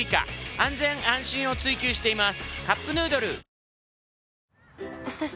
安全安心を追求しています。